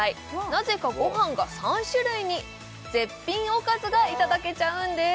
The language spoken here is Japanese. なぜかご飯が３種類に絶品おかずがいただけちゃうんです